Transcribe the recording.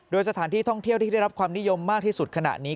โดยสถานที่ท่องเที่ยวที่ได้รับความนิยมมากที่สุดขณะนี้